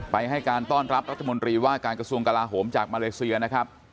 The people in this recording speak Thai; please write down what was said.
ให้การต้อนรับรัฐมนตรีว่าการกระทรวงกลาโหมจากมาเลเซียนะครับ